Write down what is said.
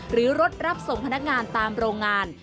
หรือรถรับส่งพนักงานตามโรงงาน